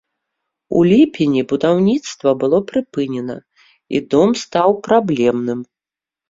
У ліпені будаўніцтва было прыпынена, і дом стаў праблемным.